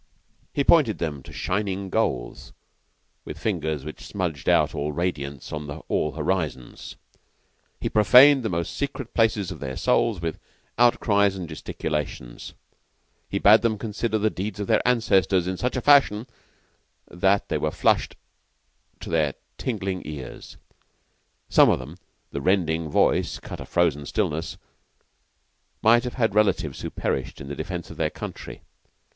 He pointed them to shining goals, with fingers which smudged out all radiance on all horizons. He profaned the most secret places of their souls with outcries and gesticulations, he bade them consider the deeds of their ancestors in such a fashion that they were flushed to their tingling ears. Some of them the rending voice cut a frozen stillness might have had relatives who perished in defence of their country.